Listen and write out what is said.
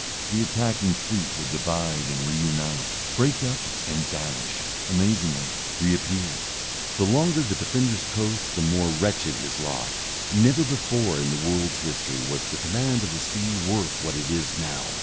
The attacking fleet would divide and re unite, break up and vanish, amazingly reappear. The longer the defender's coast the more wretched his lot. Never before in the world's history was the command of the sea worth what it is now.